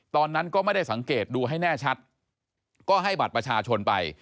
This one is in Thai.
ตอนนั้นก็ไม่ได้สังเกตดูให้แน่ชัดก็ให้บัตรประชาชนไป